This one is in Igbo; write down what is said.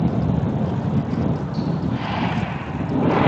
ya wee nwọchikọọ ya bụ mkpi na-agbàrá ọha ewu nà akwara amaghị ókè ala